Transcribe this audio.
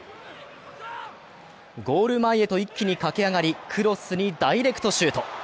ゴール前へと一気に駆け上がり、クロスにダイレクトシュート。